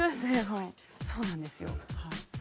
そうなんですよはい。